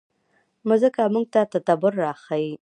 مځکه موږ ته تدبر راښيي.